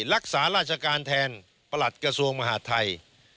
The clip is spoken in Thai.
รักษาราชการแทนประหลัดกระทรวงมหาดไทย